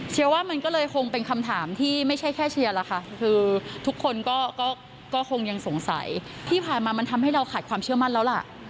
ว่ามันก็เลยคงเป็นคำถามที่ไม่ใช่แค่เชียร์ล่ะค่ะคือทุกคนก็คงยังสงสัยที่ผ่านมามันทำให้เราขาดความเชื่อมั่นแล้วล่ะ